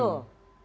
yang tidak lajim